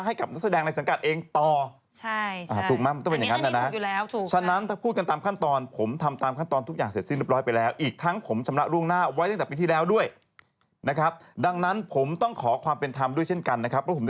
ให้กับนักแสดงในสังกัดเองต่อ